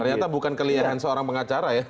ternyata bukan kelihan seorang pengacara ya